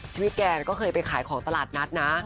แกก็เคยไปขายของตลาดนัดนะ